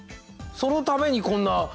そのためにこんな豪華な？